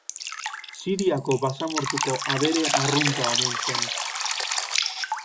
Siriako basamortuko abere arrunta omen zen.